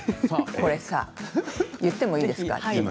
これさ言ってもいいですか。